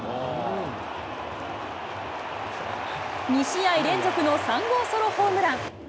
２試合連続の３号ソロホームラン。